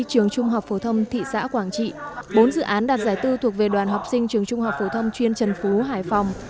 trường trung học phổ thông thị xã quảng trị bốn dự án đạt giải bốn thuộc về đoàn học sinh trường trung học phổ thông chuyên trần phú hải phòng